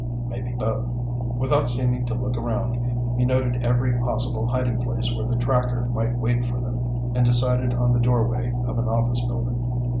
Maybe both. Without seeming to look around, he noted every possible hiding place where the tracker might wait for them, and decided on the doorway of an office building.